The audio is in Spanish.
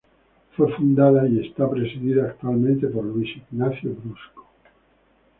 Fue fundada y es presidida actualmente por Luis Ignacio Brusco.